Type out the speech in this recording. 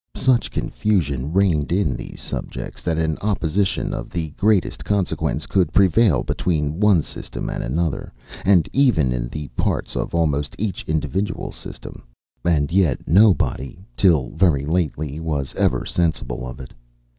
Such confusion reigned in these subjects, that an opposition of the greatest consequence could prevail between one system and another, and even in the parts of almost each individual system: and yet nobody, till very lately, was ever sensible of it.